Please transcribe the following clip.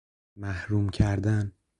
محروم کردن